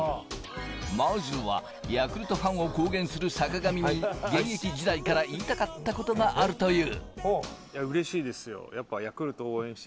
まずはヤクルトファンを公言する坂上に現役時代から言いたかったことがあるという。